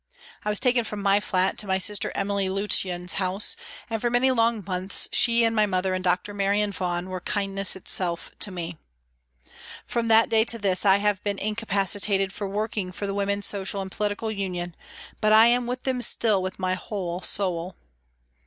I was taken from my flat to my sister Emily Lutyen's house, and for many long months she and my mother and Dr. Marion Vaughan were kindness itself to me. From that day to this I have been incapacited for working for the Women's Social and Political Union, but I am with them still with my whole soul.